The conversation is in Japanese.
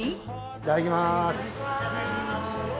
いただきます。